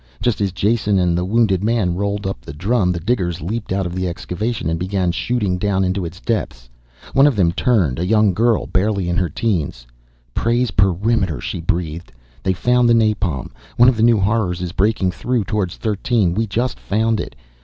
Just as Jason and the wounded man rolled up the drum the diggers leaped out of the excavation and began shooting down into its depths. One of them turned, a young girl, barely in her teens. "Praise Perimeter!" she breathed. "They found the napalm. One of the new horrors is breaking through towards Thirteen, we just found it."